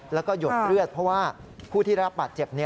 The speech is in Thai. แล้วก็หยดเลือดเพราะว่าผู้ที่รับบาดเจ็บ